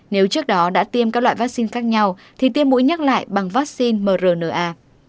nếu trước đó đã tiêm các loại vaccine khác nhau thì tiêm mũi nhắc lại bằng vaccine mrna